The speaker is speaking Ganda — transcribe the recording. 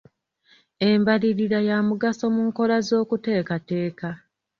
Embalirira ya mugaso mu nkola z'okuteekateeka.